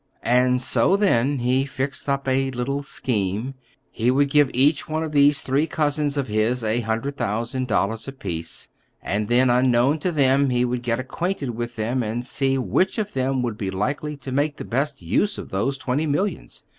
"And so then he fixed up a little scheme; he would give each one of these three cousins of his a hundred thousand dollars apiece, and then, unknown to them, he would get acquainted with them, and see which of them would be likely to make the best use of those twenty millions.